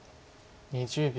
２０秒。